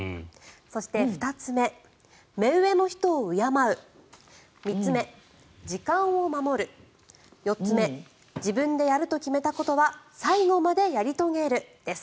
そして、２つ目目上の人を敬う３つ目、時間を守る４つ目自分でやると決めたことは最後までやり遂げるです。